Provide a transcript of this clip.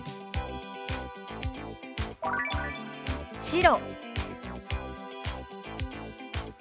「白」。